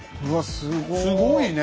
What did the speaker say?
すごいねえ。